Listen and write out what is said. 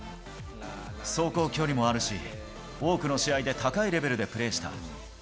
走行距離もあるし、多くの試合で高いレベルでプレーした。